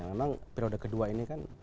memang periode kedua ini kan